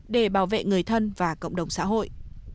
để bảo vệ người thân và cộng đồng xã hội